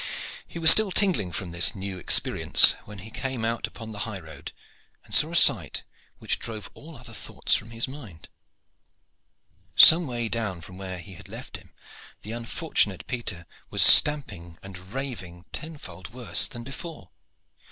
He was still tingling from this new experience when he came out upon the high road and saw a sight which drove all other thoughts from his mind. Some way down from where he had left him the unfortunate Peter was stamping and raving tenfold worse than before.